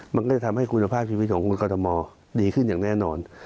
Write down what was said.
มันก็จะทำให้คุณภาพชีวิตของคุณกรทมดีขึ้นอย่างแน่นอน